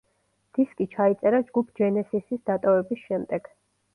დისკი ჩაიწერა ჯგუფ ჯენესისის დატოვების შემდეგ.